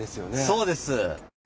そうです。